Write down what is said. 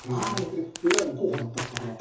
ＡＩも候補だったですかこれは。